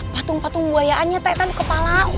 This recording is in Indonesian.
patung patung buayaannya taitan kepala hunak hunak